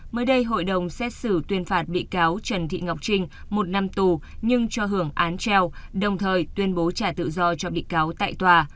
mới đây hội đồng xét xử tuyên phạt bị cáo trần thị ngọc trinh một năm tù nhưng cho hưởng án treo đồng thời tuyên bố trả tự do cho bị cáo tại tòa